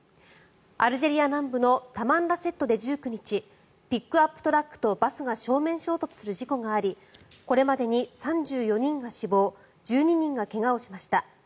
アルジェリア南部のタマンラセットで１９日ピックアップトラックとバスが正面衝突する事故がありこれまでに３４人が死亡１２人が怪我をしました。